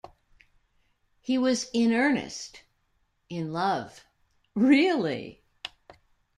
He was in earnest: in love, really.